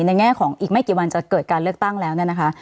ในแง่ของอีกไม่กี่วันจะเกิดการเลือกตั้งแล้ว